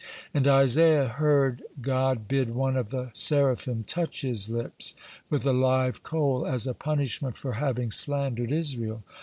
And Isaiah heard God bid one of the seraphim touch his lips with a live coal as a punishment for having slandered Israel.